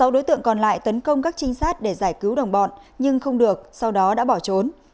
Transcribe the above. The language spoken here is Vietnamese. sáu đối tượng còn lại tấn công các trinh sát để giải cứu đồng bọn nhưng không được sau đó đã bỏ trốn